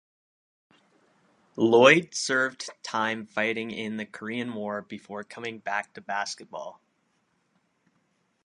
Lloyd served time fighting in the Korean War before coming back to basketball.